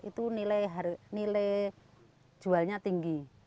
itu nilai jualnya tinggi